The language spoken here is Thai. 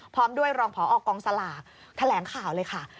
พร้อมด้วยรองพอกองสลากแถลงข่าวเลยค่ะ